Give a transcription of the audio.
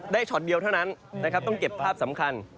ช็อตเดียวเท่านั้นนะครับต้องเก็บภาพสำคัญ